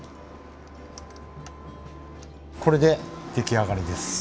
これで出来上がりです。